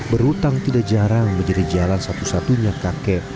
berhutang tidak jarang menjadi jalan satu satunya kakek